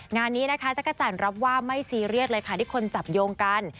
งานนี้นะคะจักรจันทร์รับว่าไม่ซีเรียสเลยค่ะที่คนจับโยงกัน